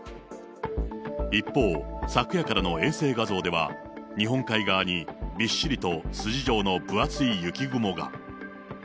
一方、昨夜からの衛星画像では、日本海側にびっしりと筋状の分厚い雪雲が。